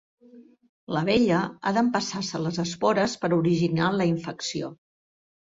L'abella ha d'empassar-se les espores per originar la infecció.